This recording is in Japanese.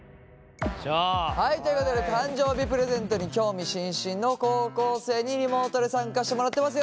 はいということで誕生日プレゼントに興味津々の高校生にリモートで参加してもらってます。